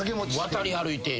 渡り歩いている。